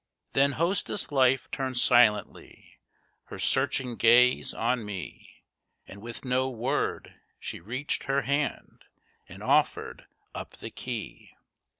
Then Hostess Life turned silently, her searching gaze on me, And with no word, she reached her hand, and offered up the key.